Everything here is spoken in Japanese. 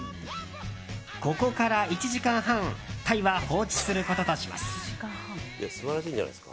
ここから１時間半タイは放置することとします。